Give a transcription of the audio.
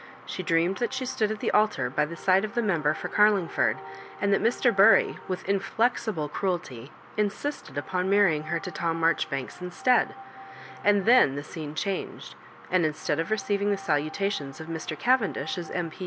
She dreamed that she stood at the altar by the side of the member for Carlingford, and that Mr. Bury, with indexi ble cruelty, insisted upon marrying her to Tom Marjoribanks instead ; and then the scene changed, and instead of receiving the salutations of Mr. Cavendish as M.P.